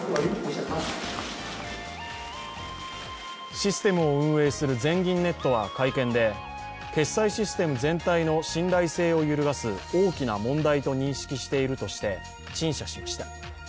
システムを運営する全銀ネットは会見で決済システム全体の信頼性を揺るがす大きな問題と認識しているとして陳謝しました。